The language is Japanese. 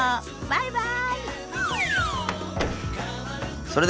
バイバイ。